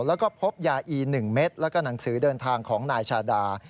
แล้วก็พบยาอี๑เม็ดแล้วก็หนังสือเดินทางของนายชาดา